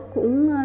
cũng sẽ đến nhiều